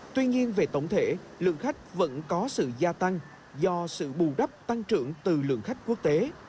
tuy nhiên về tổng thể lượng khách vẫn có sự gia tăng do sự bù đắp tăng trưởng từ lượng khách quốc tế